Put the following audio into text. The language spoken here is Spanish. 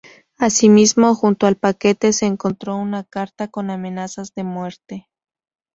Asimismo, junto al paquete se encontró una carta con amenazas de muerte.